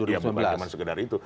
ya bukan sekedar itu